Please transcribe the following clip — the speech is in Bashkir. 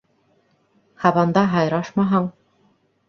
Һабанда һайрашмаһаң